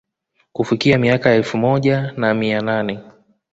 Kufikia miaka ya elfu moja na mia nane